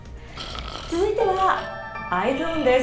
続いてはＥｙｅｓｏｎです。